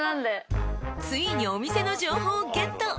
［ついにお店の情報をゲット］